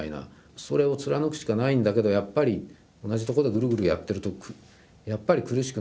それを貫くしかないんだけどやっぱり同じとこでぐるぐるやってるとやっぱり苦しくなってくる。